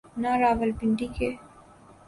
نہ راولپنڈی کے۔